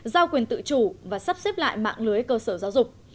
giao quyền tự chủ và sắp xếp lại mạng lưới cơ sở giáo dục